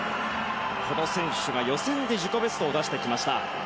この選手は予選で自己ベストを出してきました。